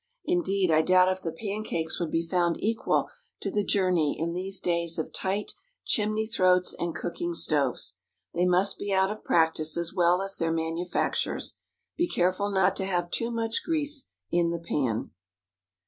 Indeed, I doubt if the pancakes would be found equal to the journey in these days of tight chimney throats and cooking stoves. They must be out of practice as well as their manufacturers. Be careful not to have too much grease in the pan.